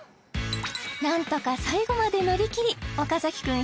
何とか最後まで乗り切り岡くん